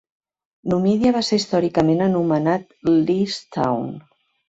Numidia va ser històricament anomenat "Leestown".